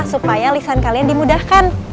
supaya lisan kalian dimudahkan